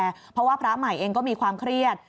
เพราะว่าพระใหม่เองก็มีความเครียด